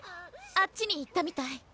あっちに行ったみたい